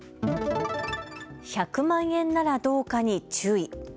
１００万円ならどうかに注意。